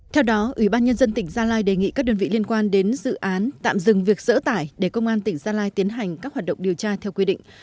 theo đó ủy ban nhân dân tỉnh gia lai đề nghị các đơn vị liên quan đến dự án tạm dừng việc dỡ tải để công an tỉnh gia lai tiến hành các hoạt động điều tra theo quy định